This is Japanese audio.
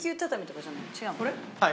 はい。